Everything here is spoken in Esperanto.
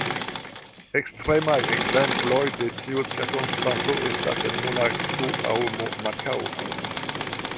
Ekstremaj ekzemploj de tiu cirkonstanco estas en Monako aŭ Makao.